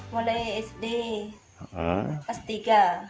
mulai sd pas tiga